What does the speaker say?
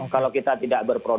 kalau kita tidak berproduksi